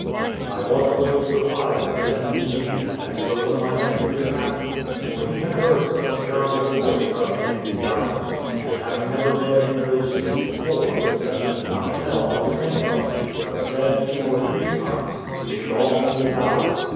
I was a little surprised then, indeed, and so was my nephew the captain; for he had heard such terrible stories of them in the island, and having never been in those seas before, that he could not tell what to think of it, but said, two or three times, we should all be devoured.